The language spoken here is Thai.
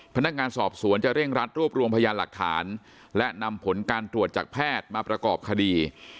พนักงานสอบสวนจะเร่งรัดรวบรวมพยานหลักฐานและนำผลการตรวจจากแพทย์มาประกอบคดี